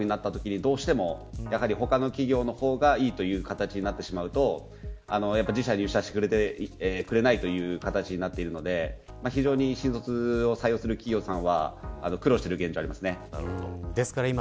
他の企業と比較された際に条件比較になった際にどうしても他の企業の方がいいという形になってしまうと自社に入社してくれないという形になっているので非常に新卒を採用する企業さんは苦労している現状がありますね。